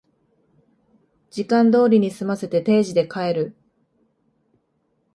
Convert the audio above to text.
時間通りに済ませて定時で帰る